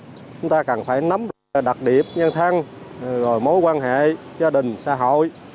chúng ta cần phải nắm đặc điệp nhân thân mối quan hệ gia đình xã hội